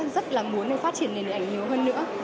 rất là muốn phát triển nền điện ảnh nhiều hơn nữa